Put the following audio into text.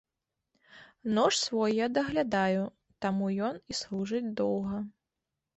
Нож свой я даглядаю, таму ён і служыць доўга.